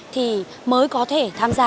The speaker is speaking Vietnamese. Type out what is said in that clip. thì mới có thể tham gia